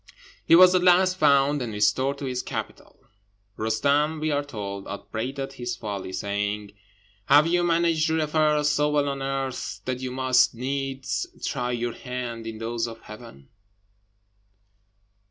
He was at last found and restored to his capital. Roostem, we are told, upbraided his folly, saying "Have you managed your affairs so well on earth That you must needs try your hand in those of heaven?"